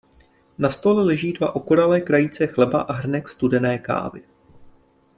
Na stole leží dva okoralé krajíce chleba a hrnek studené kávy.